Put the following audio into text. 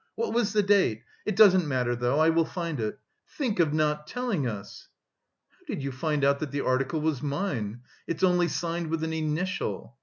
What was the date? It doesn't matter though, I will find it. Think of not telling us!" "How did you find out that the article was mine? It's only signed with an initial."